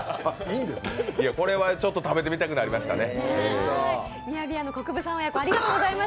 これは食べてみたくなりましたね。